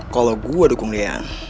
kalau gue dukung dia